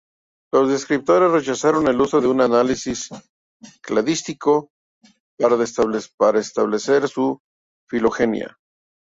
Los descriptores rechazaron el uso de un análisis cladístico para establecer su filogenia.